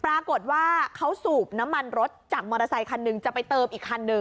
ปรากฏว่าเขาสูบน้ำมันรถจากมอเตอร์ไซคันหนึ่งจะไปเติมอีกคันหนึ่ง